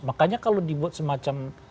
makanya kalau dibuat semacam